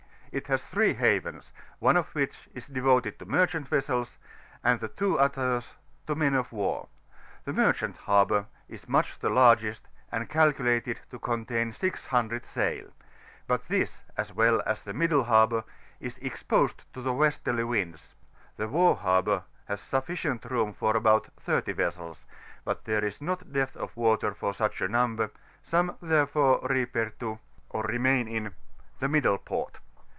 It has ihree havens, one of which is devoted to merchant vessels, and the two others to men of war: the mer chants* harbour is much the laigest, and calculated to contain 600 sail; but ihiB, as well as the middle harbour, is exposed to the westerly winds: the war harbour has sufficient room for about 30 vessels, but there is not depth of water for such a niunber ; some, therefore, repair to, or remain in, the middle port.